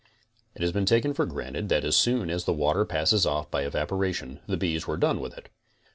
It has been taken for granted that as soon as the water passes off by evaporation the bees were done with it.